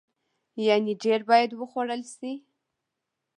يعنې ډیر باید وخوړل شي.